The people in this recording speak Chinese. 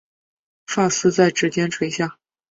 发丝在指间垂下